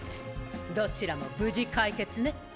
どちらも無事解決ね。